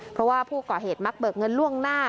เพราะว่าผู้ก่อเหตุมักเบิกเงินล่วงหน้า